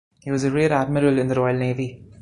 He was a Rear-Admiral in the Royal Navy.